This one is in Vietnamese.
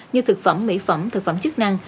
như thực phẩm mỹ phẩm thực phẩm chức năng